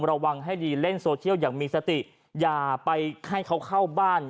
ระวังให้ดีเล่นโซเชียลอย่างมีสติอย่าไปให้เขาเข้าบ้าน